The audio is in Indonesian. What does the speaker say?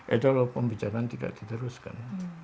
itu loh pembicaraan tidak diteruskan